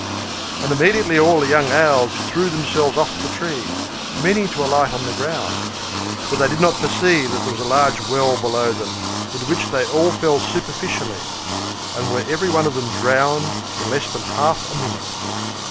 And immediately all the young Owls threw themselves off the tree, meaning to alight on the ground; but they did not perceive that there was a large well below them, into which they all fell superficially, and were every one of them drowned in less than half a minute.